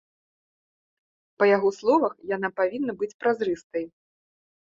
Па яго словах, яна павінна быць празрыстай.